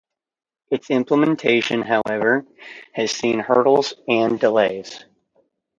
Its implementation, however, has seen hurdles and delays.